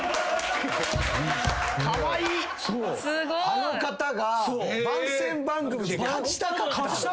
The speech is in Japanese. あの方が番宣番組で「勝ちたかった」